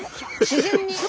自然に。